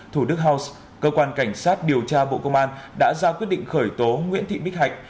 thủ đức house cơ quan cảnh sát điều tra bộ công an đã ra quyết định khởi tố nguyễn thị bích hạnh